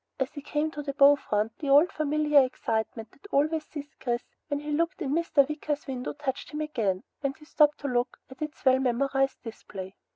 As he came to the bow front the old familiar excitement that always seized Chris when he looked in Mr. Wicker's window touched him again, and he stopped to look at its well memorized display.